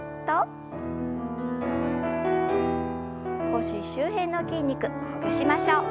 腰周辺の筋肉ほぐしましょう。